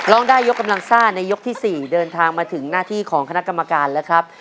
ร้องได้ยกกำลังซ่าในยกที่๔เดินทางมาถึงหน้าที่ของคณะกรรมการแล้วครับ